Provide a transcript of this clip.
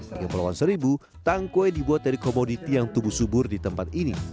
di kepulauan seribu tangkwe dibuat dari komoditi yang tumbuh subur di tempat ini